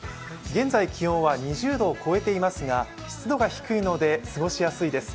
現在気温は２０度を超えていますが湿度が低いので過ごしやすいです。